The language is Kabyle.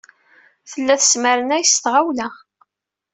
Tella tesmernay s tɣawla.